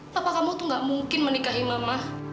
papa kamu tuh gak mungkin menikahi mama